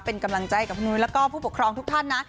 เป็นกำลังใจกับหนูและผู้ปกครองทุกท่านนะ